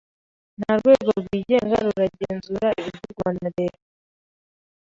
Nta rwego rwigenga ruragenzura ibivugwa na leta